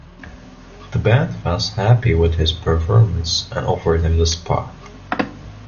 The band was happy with his performance and offered him the spot.